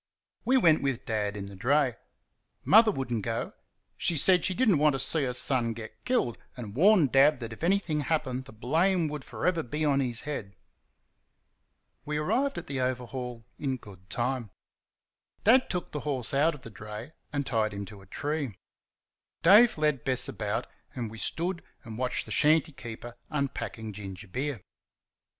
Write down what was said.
We went with Dad in the dray. Mother would n't go; she said she did n't want to see her son get killed, and warned Dad that if anything happened the blame would for ever be on his head. We arrived at the Overhaul in good time. Dad took the horse out of the dray and tied him to a tree. Dave led Bess about, and we stood and watched the shanty keeper unpacking gingerbeer.